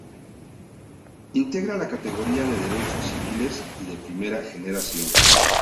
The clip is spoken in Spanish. Integra la categoría de derechos civiles, y de primera generación.